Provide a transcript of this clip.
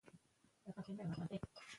په ټولنه کې د ښځو ونډه ډېره مهمه ده.